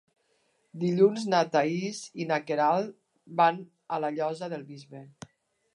Dilluns na Thaís i na Queralt van a la Llosa del Bisbe.